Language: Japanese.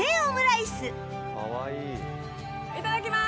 いただきます！